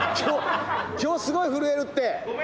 今日すごい震えるって。